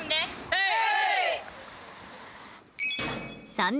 はい。